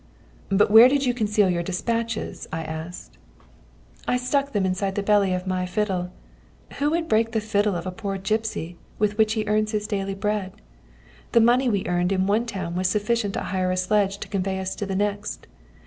"But where did you conceal the despatches?" I asked. "I stuck them inside the belly of my fiddle. Who would break the fiddle of a poor gipsy with which he earns his daily bread? The money we earned in one town was sufficient to hire a sledge to convey us to the next.